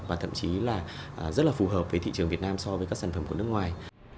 và thậm chí là rất là phù hợp với thị trường việt nam so với các sản phẩm của nước ngoài